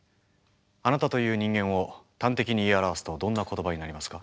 あなたという人間を端的に言い表すとどんな言葉になりますか？